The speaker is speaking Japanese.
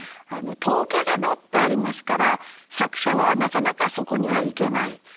「とほけれど」とありますから作者はなかなかそこには行けない。